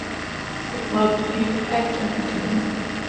The club played at Derby Turn.